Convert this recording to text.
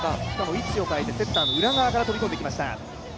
位置を変えて、セッターの裏側から飛び込んできました。